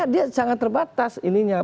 dia sangat terbatas